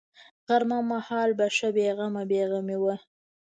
غرمه مهال به ښه بې غمه بې غمه وه.